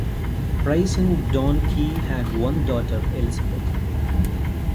Price and Donneky had one daughter, Elizabeth.